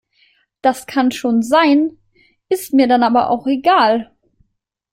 Das kann schon sein, ist mir dann aber auch egal.